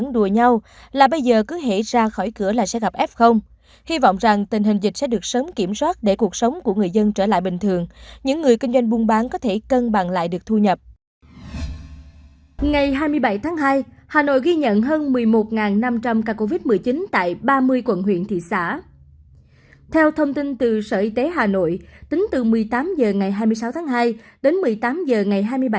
theo thông tin từ sở y tế hà nội tính từ một mươi tám h ngày hai mươi sáu tháng hai đến một mươi tám h ngày hai mươi bảy tháng hai